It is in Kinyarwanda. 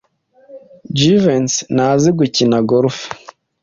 Jivency ntazi gukina golf.